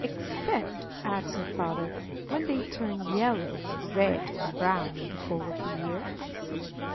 "Except," adds her father, "when they turn yellow, and red, and brown, in the fall of the year."